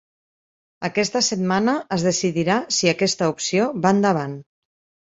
Aquesta setmana es decidirà si aquesta opció va endavant.